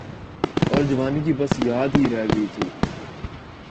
اورجوانی کی بس یاد ہی رہ گئی تھی۔